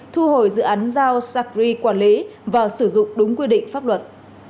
thu hồi dự án giao sacri quản lý và sử dụng đúng quy định pháp luật